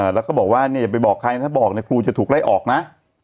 แล้วก็บอกว่าเนี่ยอย่าไปบอกใครนะถ้าบอกครูจะถูกไล่ออกนะ